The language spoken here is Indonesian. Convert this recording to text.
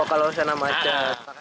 oh kalau sana macet